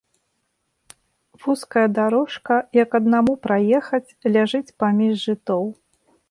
Вузкая дарожка, як аднаму праехаць, ляжыць паміж жытоў.